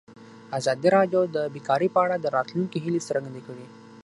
ازادي راډیو د بیکاري په اړه د راتلونکي هیلې څرګندې کړې.